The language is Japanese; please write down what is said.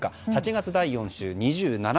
８月第４週は２７％。